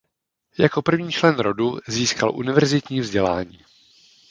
Jako první člen rodu získal univerzitní vzdělání.